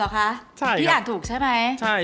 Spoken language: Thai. พี่อ่านถูกใช่ไหม